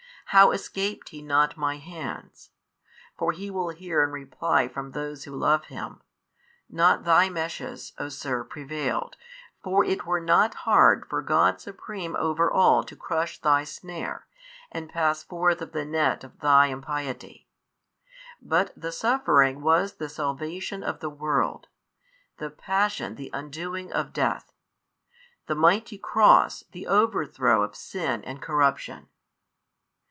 how escaped He not my hands? for he will hear in reply from those who love Him, Not thy meshes, O sir, prevailed, for it were nought hard for God supreme over all to crush thy snare, and pass forth of the net of thy impiety: but the Suffering was the salvation of the world, the Passion the undoing of death, the Mighty Cross the overthrow of sin and corruption.